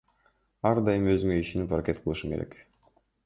Ар дайым өзүңө ишенип аракет кылышың керек.